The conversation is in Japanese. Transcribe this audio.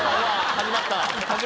始まった。